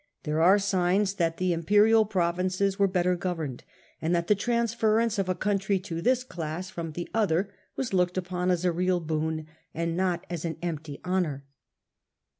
There are signs that the imperial provinces were better ruled, and that the transference of a country to this class from the other was looked upon as a real boon, and not as an empty honour.